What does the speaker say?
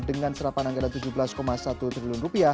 dengan serapan anggaran rp tujuh belas satu triliun